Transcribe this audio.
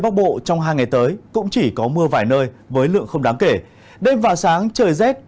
bắc bộ trong hai ngày tới cũng chỉ có mưa vài nơi với lượng không đáng kể đêm và sáng trời rét